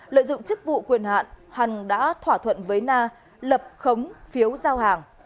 lợi dụng chức vụ quyền hạn hằn đã thỏa thuận với na lập khống phiếu giao hàng